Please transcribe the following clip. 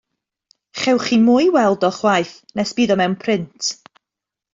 Chewch chi mo'i weld o chwaith nes bydd o mewn print.